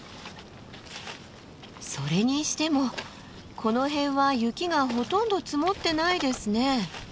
それにしてもこの辺は雪がほとんど積もってないですね。